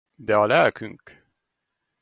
De a lelkünk!